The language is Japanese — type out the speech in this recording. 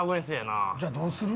じゃあどうする？